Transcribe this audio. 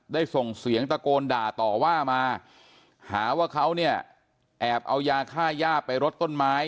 ส่งเสียงตะโกนด่าต่อว่ามาหาว่าเขาเนี่ยแอบเอายาค่าย่าไปรดต้นไม้